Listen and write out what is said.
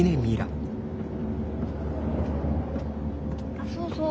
あっそうそう。